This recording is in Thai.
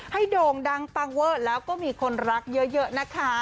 โด่งดังปังเวอร์แล้วก็มีคนรักเยอะนะคะ